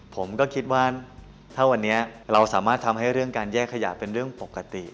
ผมก็คิดว่าถ้าวันนี้เราสามารถทำให้เรื่องการแยกขยะเป็นเรื่องปกติ